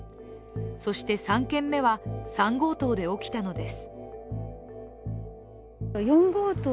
そして、３件目は３号棟で起きたのです。